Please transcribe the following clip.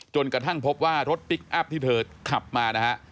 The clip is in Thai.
จนกระทั่งพบว่ารถพลิกอัพที่เธอขับมานะฮะ